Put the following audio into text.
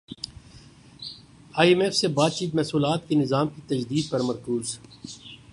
ئی M F سے بات چیت محصولات کے نظام کی تجدید پر مرکوز